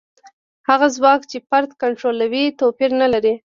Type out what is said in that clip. هغه ځواک چې فرد کنټرولوي توپیر نه لري.